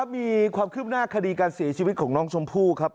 มีความคืบหน้าคดีการเสียชีวิตของน้องชมพู่ครับ